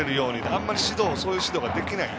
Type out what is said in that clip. あんまりそういう指導ができない。